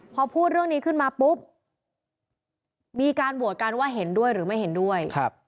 พอพูดเรื่องนี้ขึ้นมาปุ๊บมีการโหวตกันว่าเห็นด้วยหรือไม่เห็นด้วย